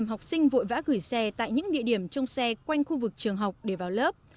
học sinh vội vã gửi xe tại những địa điểm trông xe quanh khu vực trường học để vào lớp